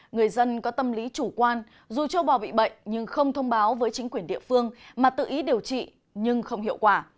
người dân có tâm lý chủ quan dù châu bò bị bệnh nhưng không thông báo với chính quyền địa phương mà tự ý điều trị nhưng không hiệu quả